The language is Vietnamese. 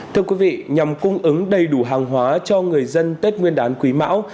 thưa quý vị nhằm cung ứng đầy đủ hàng hóa cho người dân tết nguyên đán quý mão